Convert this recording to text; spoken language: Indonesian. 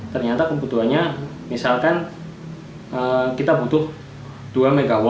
ternyata kebutuhannya misalkan kita butuh dua mw